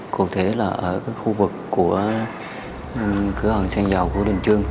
cụ thể là ở khu vực của cửa hòn xe dầu của đình dương